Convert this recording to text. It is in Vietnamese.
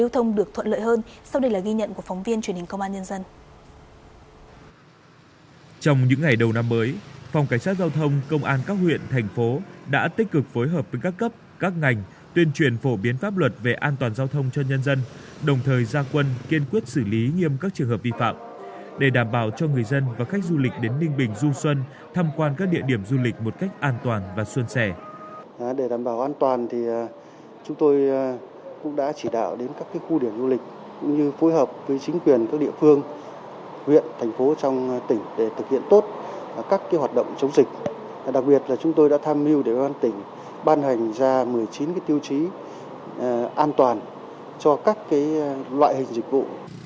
thực hiện tốt các hoạt động chống dịch đặc biệt là chúng tôi đã tham mưu để ban tỉnh ban hành ra một mươi chín tiêu chí an toàn cho các loại hình dịch vụ